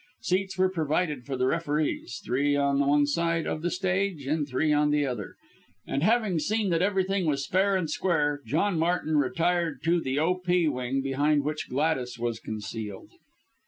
Seats were provided for the referees three on the one side of the stage and three on the other; and having seen that everything was fair and square John Martin retired to the O.P. wing, behind which Gladys was concealed.